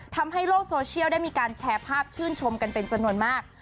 ทำให้โลกโซเชียลได้มีการแชร์ภาพชื่นชมกันเป็นจำนวนมาก